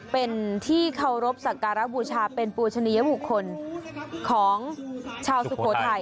เป็นที่เคารพสักการะบูชาเป็นปูชนิยบุคคลของชาวสุโขทัย